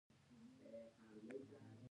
سرانه عاید د هیواد د ملي عوایدو ویشل دي.